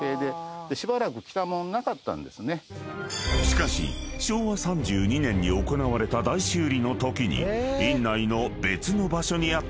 ［しかし昭和３２年に行われた大修理のときに院内の］